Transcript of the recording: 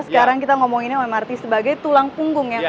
sekarang kita ngomonginnya mrt sebagai tulang punggung ya